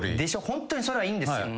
ホントにそれはいいんですよ。